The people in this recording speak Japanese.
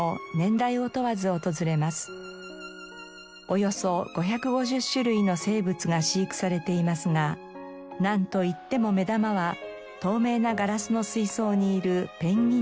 およそ５５０種類の生物が飼育されていますがなんといっても目玉は透明なガラスの水槽にいるペンギンたち。